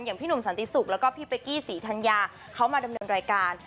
พี่หนุ่มสันติศุกร์แล้วก็พี่เป๊กกี้ศรีธัญญาเขามาดำเนินรายการ